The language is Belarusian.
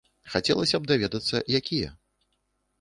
Хацелася б даведацца, якія.